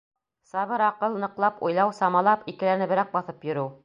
Сабыр аҡыл, ныҡлап уйлау, самалап, икеләнеберәк баҫып йөрөү...